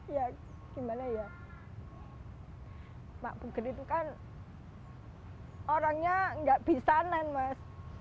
ya gimana ya pak buget itu kan orangnya nggak bisa nan mas